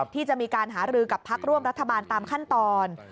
ที่จะมีการหารือกับพักร่วมรัฐบาลตามขั้นตอน